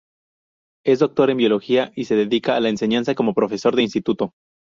Es doctor en Biología y se dedica a la enseñanza, como profesor de instituto.